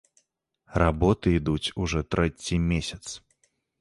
Работы ідуць ужо трэці месяц.